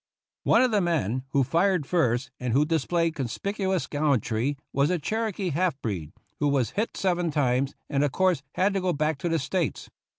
One of the men who fired first, and who dis played conspicuous gallantry was a Cherokee half breed, who was hit seven times, and of course had to go back to the States.